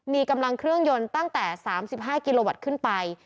มีกำลังเครื่องยนต์ตั้งแต่๓๕กิโลวัตต์ขึ้นไป